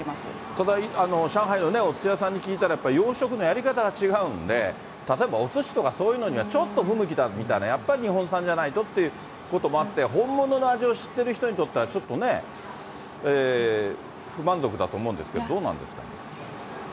ただ上海のおすし屋さんに聞いたら、やっぱり養殖のやり方が違うんで、例えばおすし、そういうのにはちょっと不向きだみたいな、やっぱり、日本産じゃないとっていうことあって、本物の味を知ってる人にとったらちょっとね、不満足だと思うんですけど、どうなんですかね。